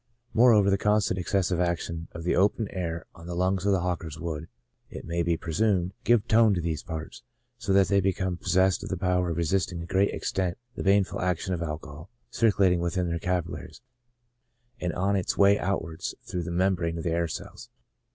Moreover, the constant excessive action of the open air on the lungs of hawkers would, it may be presumed, give tone to these parts, so that they become possessed of the power of resisting to a great extent the baneful action of alcohol circulating within their capillaries, and on its way outwards through the membrane of the air cells.